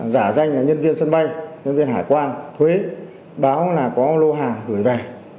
giả danh là nhân viên sân bay nhân viên hải quan thuế báo là có lô hàng gửi về